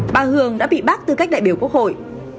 bà hường đã bị bác tư cách đại biểu quốc hội